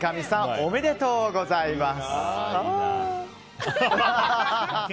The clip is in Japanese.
おめでとうございます！